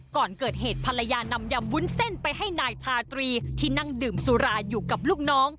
ก่อนเกิดเหตุภรรยานำยำวุ้นเส้นไปให้นายชาตรีที่นั่งดื่มสุราอยู่กับลูกน้อง